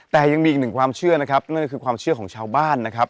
แต่ยังมีอีกหนึ่งความเชื่อนะครับนั่นก็คือความเชื่อของชาวบ้านนะครับ